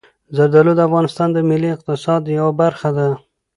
زردالو د افغانستان د ملي اقتصاد یوه برخه ده.